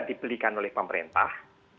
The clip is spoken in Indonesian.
ada yang memberikan oleh pemerintah